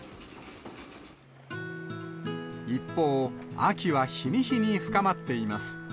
一方、秋は日に日に深まっています。